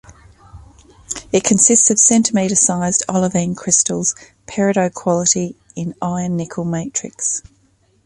It consists of centimeter-sized olivine crystals of peridot quality in an iron-nickel matrix.